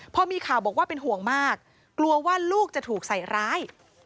พอมีข่าวบอกว่าเป็นห่วงมากกลัวว่าลูกจะถูกใส่ร้าย